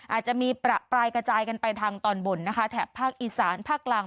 อาจจะมีประปรายกระจายกันไปทางตอนบนนะคะแถบภาคอีสานภาคกลาง